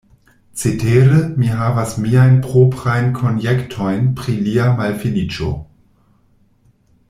Cetere, mi havas miajn proprajn konjektojn pri lia malfeliĉo.